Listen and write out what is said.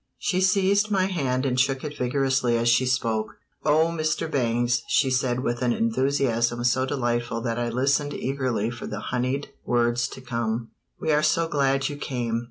She seized my hand and shook it vigorously as she spoke. "Oh, Mr. Bangs," she said with an enthusiasm so delightful that I listened eagerly for the honeyed words to come, "we are so glad you came!